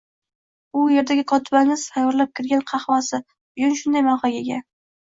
U yerdagi kotibangiz tayyorlab kirgan qahvasi uchun shunday mavqega ega